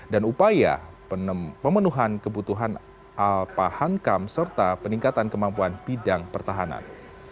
dan upaya pemenuhan kebutuhan alpahangkam serta peningkatan kemampuan bidang pertahanan